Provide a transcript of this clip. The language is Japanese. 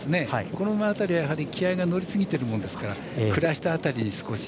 この馬辺りは気合いが乗りすぎているものですから鞍下辺りに少し、